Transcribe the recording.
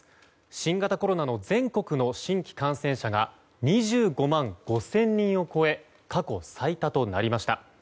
新型コロナの全国の新規感染者が２５万５０００人を超え過去最多となりました。